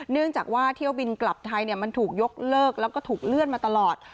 เนื่องจากว่าเที่ยวบินกลับไทยมันถูกยกเลิกแล้วก็ถูกเลื่อนมาตลอด